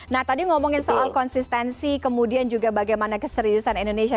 nah tadi ngomongin soal konsistensi kemudian juga bagaimana keseriusan indonesia